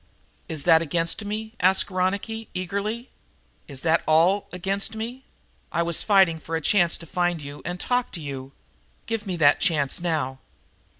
"Is that against me?" asked Ronicky eagerly. "Is that all against me? I was fighting for the chance to find you and talk to you. Give me that chance now."